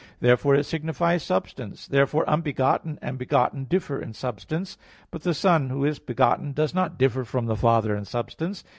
Therefore it signifies substance; therefore unbegotten and begotten differ in substance. But the Son, Who is begotten, does not differ from the Father in substance.